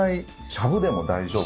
しゃぶでも大丈夫。